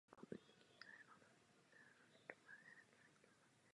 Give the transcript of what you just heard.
Další výrobci jsou také ve Spojených státech amerických a v Číně.